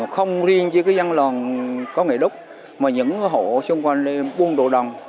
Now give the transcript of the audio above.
không riêng chỉ cái dân lòn có nghề đúc mà những hộ xung quanh buôn đồ đồng